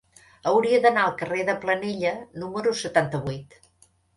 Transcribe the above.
Hauria d'anar al carrer de Planella número setanta-vuit.